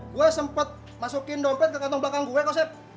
gue sempat masukin dompet ke kantong belakang gue konsep